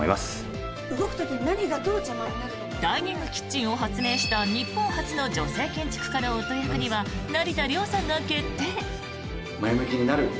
ダイニングキッチンを発明した日本初の女性建築家の夫役には成田凌さんが決定。